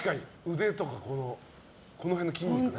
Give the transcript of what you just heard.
腕とかこの辺の筋肉ね。